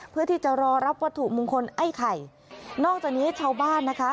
เพื่อที่จะรอรับวัตถุมงคลไอ้ไข่นอกจากนี้ชาวบ้านนะคะ